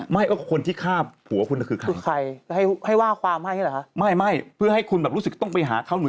มึงเป็นคนที่ฆ่า